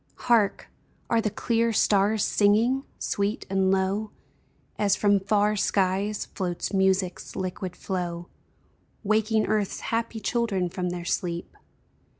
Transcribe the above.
Hark ! are the clear stars singing ? Sweet and low, As from far skies, floats music's liquid flow, Waking earth's happy children from their sleep.